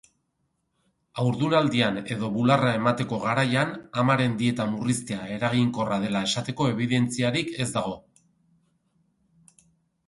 Haurdunaldian edo bularra emateko garaian amaren dieta murriztea eraginkorra dela esateko ebidentziarik ez dago